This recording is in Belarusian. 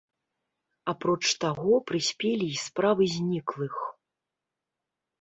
Апроч таго, прыспелі і справы зніклых.